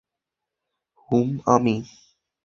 হুম, তুমি?